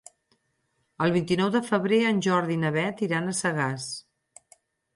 El vint-i-nou de febrer en Jordi i na Beth iran a Sagàs.